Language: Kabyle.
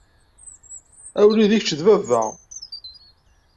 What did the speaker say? A wlidi kečč d baba.